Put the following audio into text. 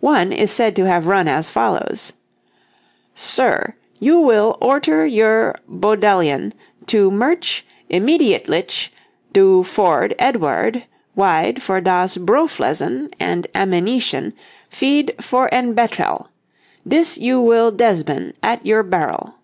One is said to have run as follows: "Ser, yu will orter yur bodellyen to merchs Immetdielich do ford edward weid for das broflesen and amenieschen fied for en betell. Dis yu will desben at yur berrel."